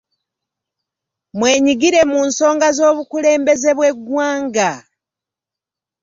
Mwenyigire mu nsonga z’obukulembeze bw’eggwanga.